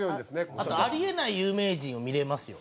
あとあり得ない有名人を見れますよ。